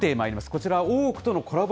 こちら、大奥とのコラボ